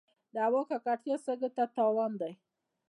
د هوا ککړتیا سږو ته تاوان دی.